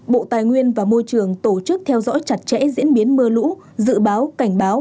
bộ tài nguyên và môi trường tổ chức theo dõi chặt chẽ diễn biến mưa lũ dự báo cảnh báo